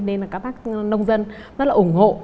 nên là các bác nông dân rất là ủng hộ